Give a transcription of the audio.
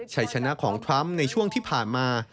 ชัยชนะของทรัมป์ในช่วงที่ผ่านมา